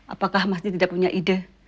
apakah mas dir tidak punya ide